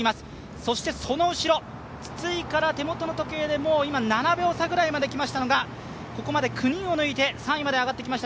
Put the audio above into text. そしてその後ろ、筒井から手元の時計で７秒差まできましたのがここまで９人を抜いてきました